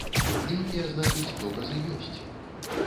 Нейкія, значыць, доказы ёсць.